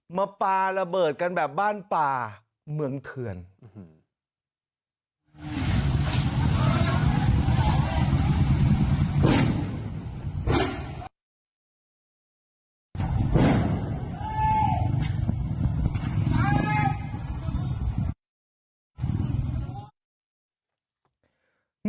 มาปลาระเบิดกันแบบบ้านป่าเมืองเถื่อน